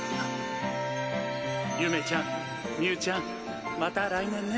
ゆめちゃんみゅーちゃんまた来年ね！